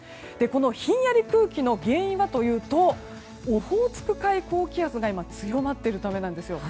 このひんやり空気の原因はというとオホーツク海高気圧が今、強まっているためなんです。